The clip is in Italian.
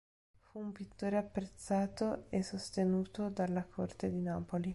Fu un pittore apprezzato e sostenuto dalla corte di Napoli.